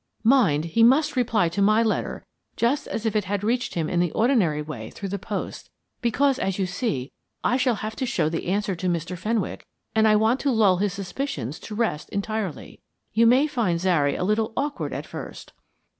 Mind, he must reply to my letter just as if it had reached him in the ordinary way through the post, because, as you see, I shall have to show the answer to Mr. Fenwick, and I want to lull his suspicions to rest entirely. You may find Zary a little awkward at first."